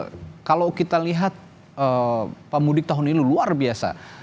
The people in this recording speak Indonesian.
pak syahril kalau kita lihat pak mudik tahun ini luar biasa